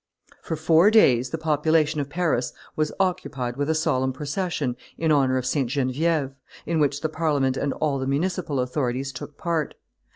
For four days the population of Paris was occupied with a solemn procession in honor of St. Genevieve, in which the Parliament and all the municipal authorities took part.